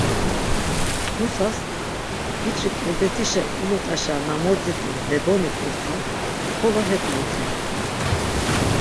Nusas biç̌i ǩurbetişe ulut̆uşa na modzit̆u leboni ǩurta xolo hek modzin.